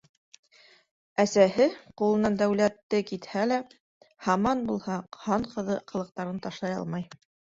Әсәһе, ҡулынан дәүләте китһә лә, һаман булһа, хан ҡыҙы ҡылыҡтарын ташлай алмай.